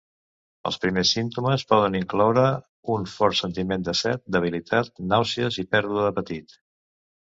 Els primers símptomes poden incloure un fort sentiment de set, debilitat, nàusees i pèrdua d'apetit.